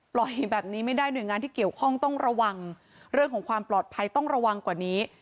แบบนี้ไม่ได้หน่วยงานที่เกี่ยวข้องต้องระวังเรื่องของความปลอดภัยต้องระวังกว่านี้